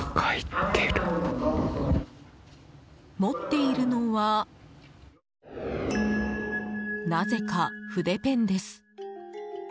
持っているのはなぜか筆ペンです。